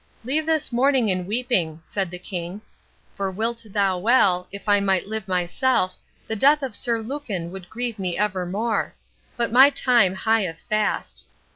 "Leave this mourning and weeping," said the king, "for wilt thou well, if I might live myself, the death of Sir Lucan would grieve me evermore; but my time hieth fast.